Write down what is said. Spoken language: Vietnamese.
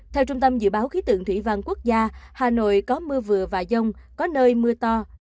theo trung tâm dự báo khí tượng thủy văn quốc gia hà nội có mưa vừa và dông có nơi mưa to